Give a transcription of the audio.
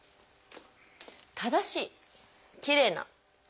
正しいきれいな。